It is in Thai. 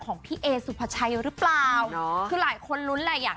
ของพี่เอสุภาชัยหรือเปล่าคือหลายคนลุ้นแหละอยาก